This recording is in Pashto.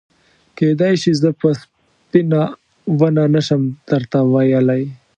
کېدای شي زه به سپینه ونه شم درته ویلای.